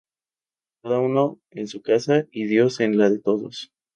Cada uno en su casa, y Dios en la de todos